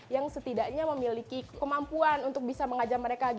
yang setidaknya memiliki kemampuan untuk bisa mengajar mereka